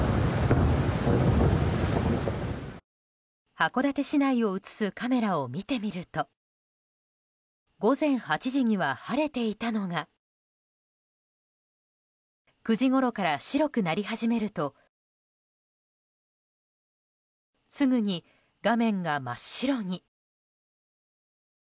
函館市内を映すカメラを見てみると午前８時には晴れていたのが９時ごろから白くなり始めるとすぐに画面が真っ白に。